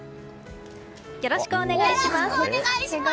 よろしくお願いします！